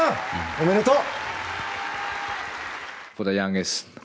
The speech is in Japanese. おめでとう！